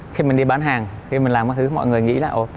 khi mình đi bán hàng khi mình làm mọi thứ mọi người nghĩ là